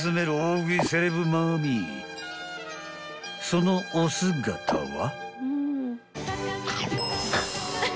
［そのお姿は］